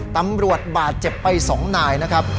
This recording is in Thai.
ตำรวจบาดเจ็บไป๒นายนะครับ